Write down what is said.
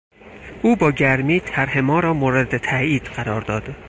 او با گرمی طرح ما را مورد تایید قرار داد.